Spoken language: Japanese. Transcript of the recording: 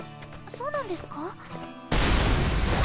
そうなんですか？